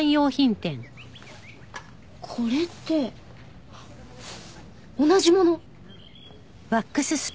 これって同じもの。